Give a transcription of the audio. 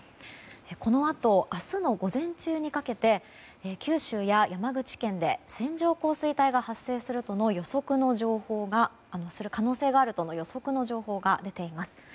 このあと明日の午前中にかけて九州や山口県で、線状降水帯が発生する可能性があるとの予測の情報が出ています。